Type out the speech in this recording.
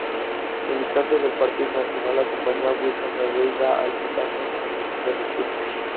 Militante del Partido Nacional, acompañó a Wilson Ferreira Aldunate en su regreso del exilio.